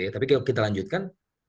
tapi kalau kita lanjutkan